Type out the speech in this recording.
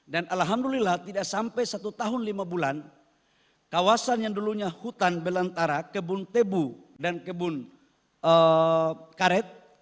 dan alhamdulillah tidak sampai satu tahun lima bulan kawasan yang dulunya hutan belantara kebun tebu dan kebun karet